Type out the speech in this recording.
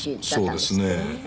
そうですね。